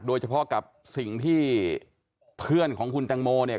โดยเฉพาะกับสิ่งที่เพื่อนของคุณตังโมเนี่ย